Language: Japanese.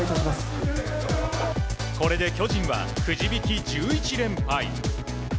これで巨人はくじ引き１１連敗。